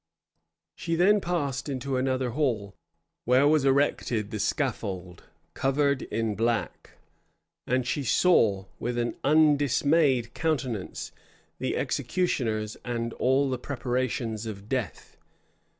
She then passed into another hall, where was erected the scaffold, covered with black; and she saw, with an undismayed countenance, the executioners and all the preparations of death.